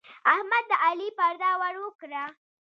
احمد د علي پرده ور وکړه.